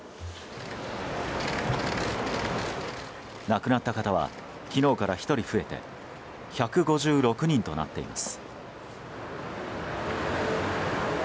亡くなった方は昨日から１人増えて１５６人となっています。